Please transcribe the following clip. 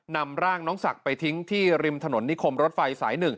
นำร่างน้องศักดิ์ไปทิ้งที่ริมถนนนิคมรถไฟสาย๑